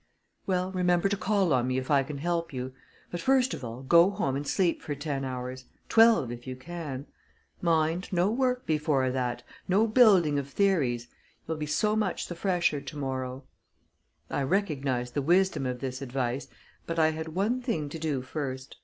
"Well, remember to call on me if I can help you. But first of all, go home and sleep for ten hours twelve, if you can. Mind, no work before that no building of theories. You'll be so much the fresher to morrow." I recognized the wisdom of this advice, but I had one thing to do first.